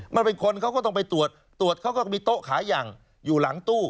มันเป็นคนเขาก็ต้องไปตรวจตรวจเขาก็มีโต๊ะขายอย่างอยู่หลังตู้